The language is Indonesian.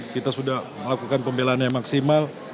kita sudah melakukan pembelanannya maksimal